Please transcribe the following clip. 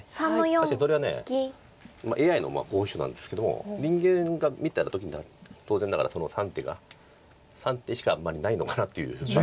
ただしそれはＡＩの候補手なんですけども人間が見た時には当然ながらその３手が３手しかあんまりないのかなっていう順番でした。